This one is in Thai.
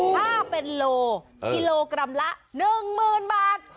ถ้าเป็นโลกิโลกรัมละ๑๐๐๐บาท